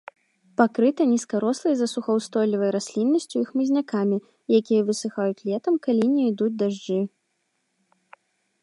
Пакрыта нізкарослай засухаўстойлівай расліннасцю і хмызнякамі, якія высыхаюць летам, калі не ідуць дажджы.